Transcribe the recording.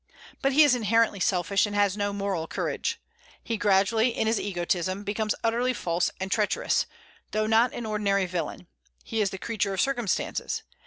But he is inherently selfish, and has no moral courage. He gradually, in his egotism, becomes utterly false and treacherous, though not an ordinary villain. He is the creature of circumstances.